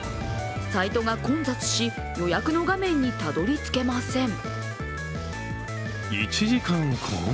サイトが混雑し、予約の画面にたどり着けません。